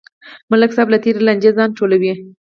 ملک صاحب له تېرې لانجې ځان ټولوي.